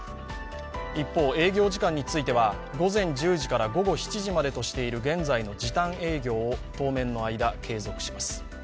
一方、営業時間については午前１０時から午後７時までとしている現在の時短営業を当面の間継続します。